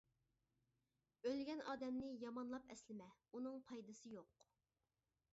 ئۆلگەن ئادەمنى يامانلاپ ئەسلىمە، ئۇنىڭ پايدىسى يوق.